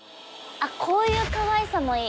こういうかわいさもいい。